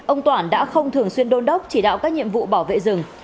ông toản đã không thường xuyên đôn đốc chỉ đạo các nhiệm vụ bảo vệ rừng